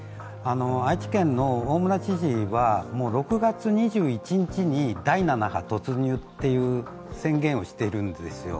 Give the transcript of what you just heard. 愛知県の大村知事は６月２１日に第７波突入という宣言をしているんですよ。